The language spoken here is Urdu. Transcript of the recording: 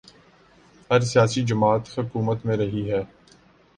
ہر سیاسی جماعت حکومت میں رہی ہے۔